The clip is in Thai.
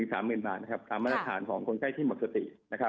ตามมาตรฐานที่เป็นตัวของคนไข้ที่หมดสติ